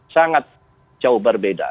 sangat jauh berbeda